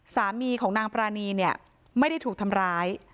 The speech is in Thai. สามีของนางปรานีเนี่ยไม่ได้ถูกทำร้าย